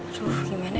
aduh gimana ya